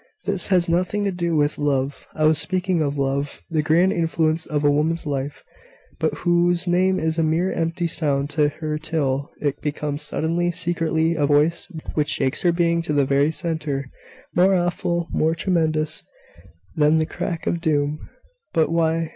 This has nothing to do with love. I was speaking of love the grand influence of a woman's life, but whose name is a mere empty sound to her till it becomes, suddenly, secretly, a voice which shakes her being to the very centre more awful, more tremendous, than the crack of doom." "But why?